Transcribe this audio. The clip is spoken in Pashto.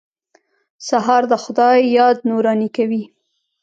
سهار د خدای یاد نوراني کوي.